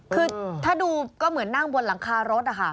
คือถ้าดูก็เหมือนนั่งบนหลังคารถนะคะ